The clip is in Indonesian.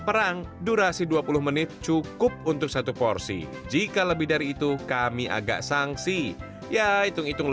perang durasi dua puluh menit cukup untuk satu porsi jika lebih dari itu kami agak sangsi ya hitung hitung